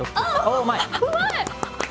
うまい！